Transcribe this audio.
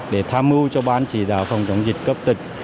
để tham mưu cho ban chỉ đạo phòng chống dịch cấp tỉnh